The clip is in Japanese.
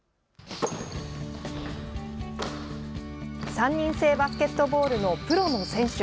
３人制バスケットボールのプロの選手。